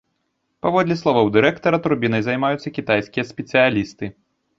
Паводле словаў дырэктара, турбінай займаюцца кітайскія спецыялісты.